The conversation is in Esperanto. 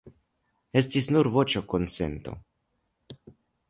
Estis nur voĉa konsento.